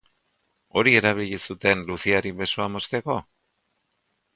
Hori erabili zuten Luciari besoa mozteko?